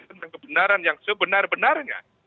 tentang kebenaran yang sebenar benarnya